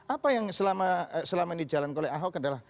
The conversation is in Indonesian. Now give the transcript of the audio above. apa yang selama ini jalan oleh ahok adalah